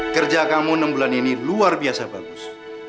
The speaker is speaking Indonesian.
kerja kamu enam bulan ini luar biasa bagus